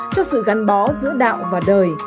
cho sự gắn bó giữa đạo và đời